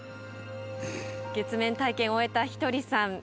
月面体験を終えたひとりさん。